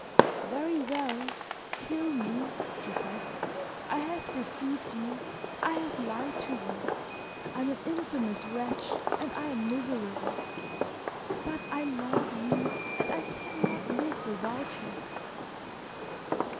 "Very well, kill me!" she said. "I have deceived you, I have lied to you, I am an infamous wretch and I am miserable; but I love you, and I can not live without you."